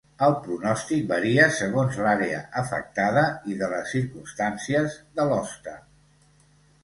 El pronòstic varia segons l'àrea afectada i de les circumstàncies de l'hoste.